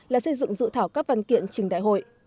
là xây dựng dự thảo các văn kiện trình đại hội